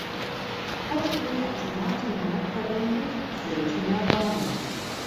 Oft wird auch Tomatenmark verwendet, seltener Wein.